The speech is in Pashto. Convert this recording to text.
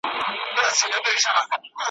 اختر په وینو ,